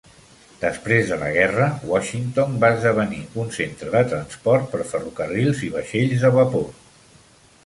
Després de la guerra, Washington va esdevenir un centre de transport per ferrocarril i vaixells de vapor.